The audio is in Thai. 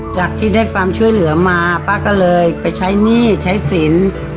จากที่ได้ความช่วยเหลือมาป้าก็เลยไปใช้หนี้ใช้สิน